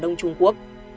trong nông trung quốc